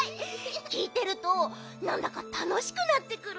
きいてるとなんだかたのしくなってくるね。